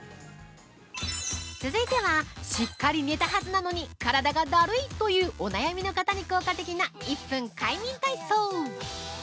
◆続いてはしっかり寝たはずなのに体がだるいというお悩みの方に効果的な１分快眠体操！